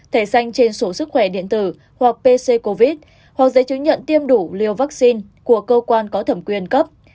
thẻ xanh trên sổ sức khỏe điện tử hoặc pc covid hoặc giấy chứng nhận tiêm đủ liều vaccine của cơ quan có thẩm quyền cấp